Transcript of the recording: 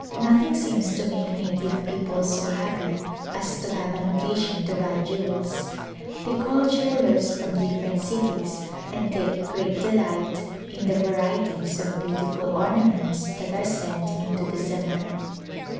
Noth ing seems to make native people so happy as to have an occasion to buy jewels. They call jewelers from different cities and take great delight in the varieties of beautiful ornaments that are sent into the zanana.